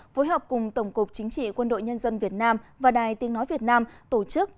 phối hợp cùng tổng cục chính trị quân đội nhân dân việt nam và đài tiếng nói việt nam tổ chức